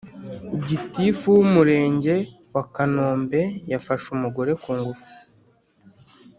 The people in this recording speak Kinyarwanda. Gitifu w’umurenge wakanombe yafashe umugore kungufu